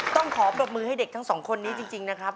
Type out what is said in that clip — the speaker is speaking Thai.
ต้องขอปรบมือให้เด็กทั้งสองคนนี้จริงนะครับ